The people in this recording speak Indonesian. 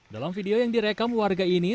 dalam video yang direkam warga ini